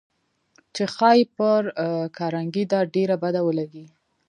چې ښايي پر کارنګي دا ډېره بده ولګېږي.